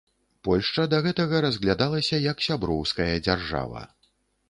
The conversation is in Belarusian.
Польшча да гэтага разглядалася як сяброўская дзяржава.